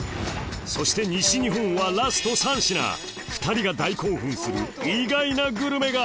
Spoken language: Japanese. そして西日本は２人が大興奮する意外なグルメが！